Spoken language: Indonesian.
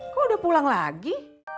kok udah pulang lagi